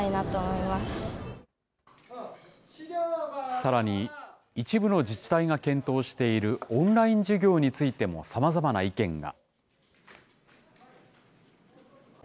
さらに、一部の自治体が検討しているオンライン授業についても、さまざまな意見が。